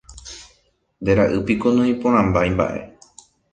Nde ra'ýpiko noĩporãmbáimba'e